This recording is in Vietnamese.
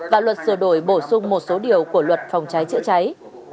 và luật sửa đổi bổ sung một số điều của luật phòng cháy chữa cháy